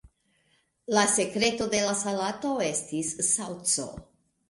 La sekreto de la salato estis saŭco.